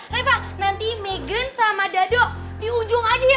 reva nanti megan sama dado di ujung aja ya